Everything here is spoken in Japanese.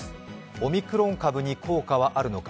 オミクロン株に効果はあるのか。